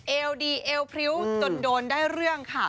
เอวดีเอวพริ้วจนโดนได้เรื่องค่ะ